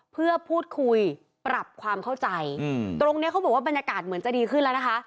เพื่อพูดคุยปรับความเข้าใจตรงเนี้ยเขาบอกว่าบรรยากาศเหมือนจะดีขึ้นแล้วนะคะ